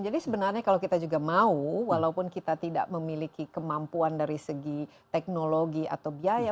jadi sebenarnya kalau kita juga mau walaupun kita tidak memiliki kemampuan dari segi teknologi atau biaya